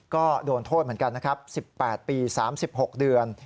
ก็โดนโทษเหมือนกันนะครับ๑๘ปี๓๖เดือน